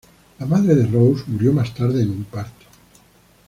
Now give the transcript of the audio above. La madre de Rose murió más tarde en un parto.